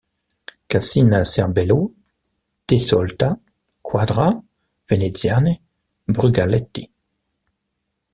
Cascina Serbello, Tesolta, Quadra, Veneziane, Brugaletti.